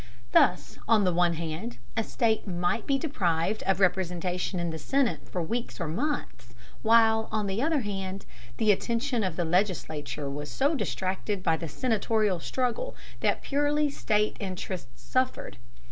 Thus, on the one hand, a state might be deprived of representation in the Senate for weeks or months, while, on the other hand, the attention of the legislature was so distracted by the senatorial struggle that purely state interests suffered.